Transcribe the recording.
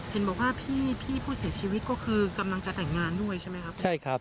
เห็นบอกว่าพี่ผู้เสียชีวิตก็คือกำลังจะแต่งงานด้วยใช่ไหมครับ